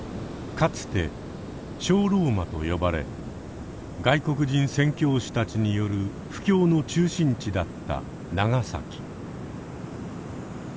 かつて「小ローマ」と呼ばれ外国人宣教師たちによる布教の中心地だった長崎。